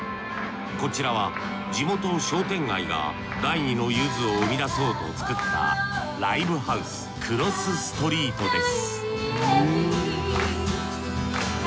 こちらは地元商店街が第２のゆずを生み出そうと作ったライブハウスＣＲＯＳＳＳＴＲＥＥＴです